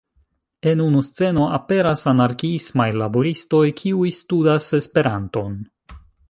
En unu sceno aperas anarkiismaj laboristoj, kiuj studas Esperanton.